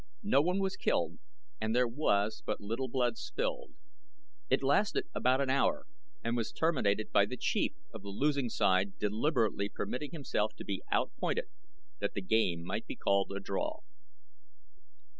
No one was killed and there was but little blood spilled. It lasted about an hour and was terminated by the chief of the losing side deliberately permitting himself to be out pointed, that the game might be called a draw.